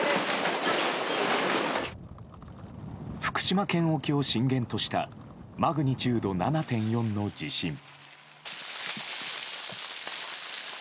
福島県沖を震源としたマグニチュード７．４の地震。